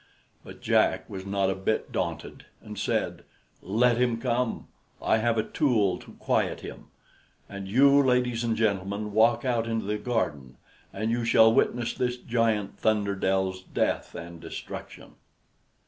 But Jack was not a bit daunted, and said, "Let him come! I have a tool to quiet him; and you, ladies and gentlemen, walk out into the garden, and you shall witness this giant Thunderdell's death and destruction."